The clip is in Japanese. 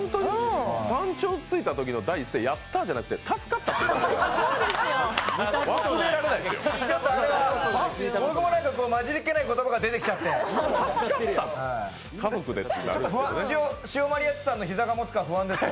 山頂に着いたときの第一声って、やったじゃなくて助かったって言ってましたよ。